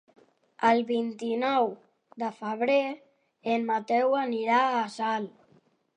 El vint-i-nou de febrer en Mateu anirà a Salt.